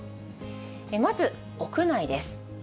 まず屋外です。